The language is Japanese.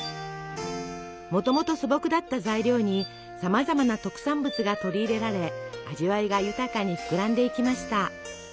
もともと素朴だった材料にさまざまな特産物が取り入れられ味わいが豊かに膨らんでいきました。